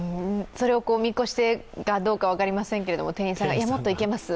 それを見越してかどうか分かりませんけども、店員さんがもっといけます